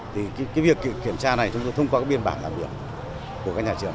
thì việc kiểm tra này chúng tôi thông qua biên bản làm việc của các nhà trường